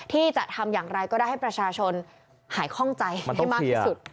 ที่จะทำอย่างไรก็ได้ให้ประชาชนหายคล่องใจให้มากที่สุด